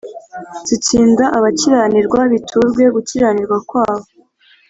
zitsinda abakiranirwa biturwe gukiranirwa kwabo